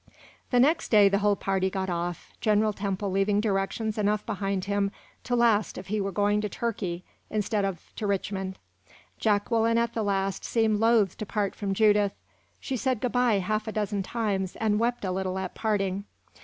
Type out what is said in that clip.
The next day the whole party got off, General Temple leaving directions enough behind him to last if he were going to Turkey instead of to Richmond. Jacqueline at the last seemed loath to part from Judith. She said good by half a dozen times, and wept a little at parting.